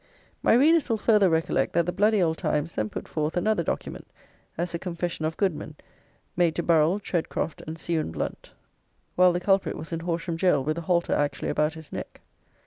My readers will further recollect that the bloody old Times then put forth another document as a confession of Goodman, made to Burrell, Tredcroft, and Scawen Blunt, while the culprit was in Horsham jail with a halter actually about his neck.